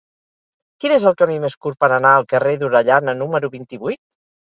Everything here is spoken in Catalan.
Quin és el camí més curt per anar al carrer d'Orellana número vint-i-vuit?